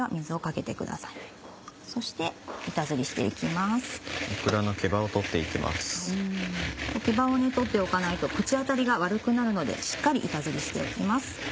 けばを取っておかないと口当たりが悪くなるのでしっかり板ずりしておきます。